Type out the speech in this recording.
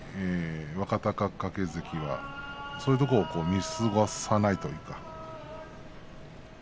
若隆景関はそういうところを見過ごさないというか。